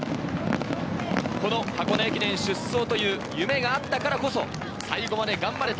箱根駅伝出走という夢があったからこそ、最後まで頑張れた。